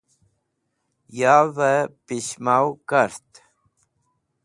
Yavey Pishmaw Kart